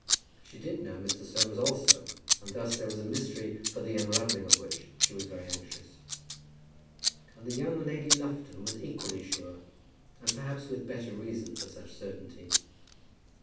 She did know Mr. Soames also; and thus there was a mystery for the unravelling of which she was very anxious. And the young Lady Lufton was equally sure, and perhaps with better reason for such certainty.